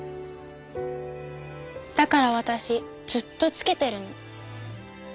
だからわたしずっとつけてるの。